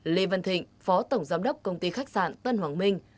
lê văn thịnh phó tổng giám đốc công ty khách sạn tân hoàng minh